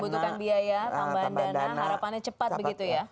membutuhkan biaya tambahan dana harapannya cepat begitu ya